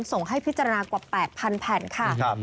ส่งให้พิจารณากว่า๘๐๐แผ่นค่ะ